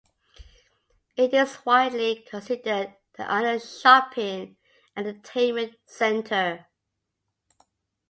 It is widely considered the island's shopping and entertainment center.